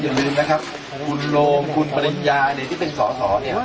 อย่าลืมนะครับคุณโรมคุณปริญญาเนี่ยที่เป็นสอสอเนี่ย